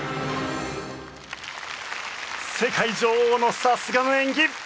世界女王のさすがの演技！